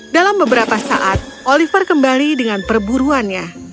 dalam beberapa saat oliver kembali dengan perburuannya